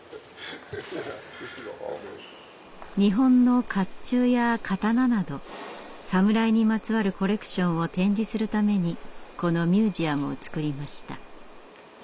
日本の甲冑や刀など「サムライ」にまつわるコレクションを展示するためにこのミュージアムを造りました。